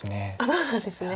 そうなんですね。